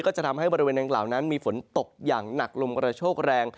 จะทำให้บริเวณดังกล่าวนั้นมีฝนตกอย่างหนักลมกระโชคแรง